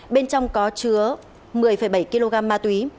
bên trong có chứa một mươi bảy kg ma túy